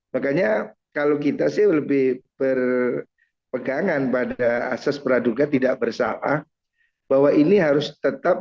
makanya kalau kita sih lebih berpegangan pada asas peraduga tidak bersalah bahwa ini harus tetap